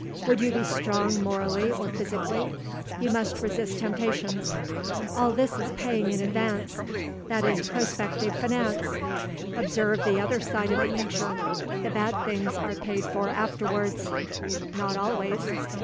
Would you be strong morally or physically? You must resist temptations. All this is paying in advance; that is prospective finance. Observe the other side of the picture; the bad things are paid for afterwards." "Not always."